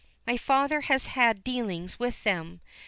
My father has had dealings with them.